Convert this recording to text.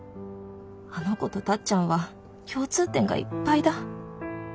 あの子とタッちゃんは共通点がいっぱいだ。